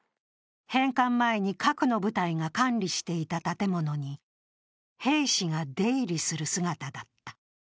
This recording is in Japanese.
返還前に核の部隊が管理していた建物に兵士が出入りする姿だった。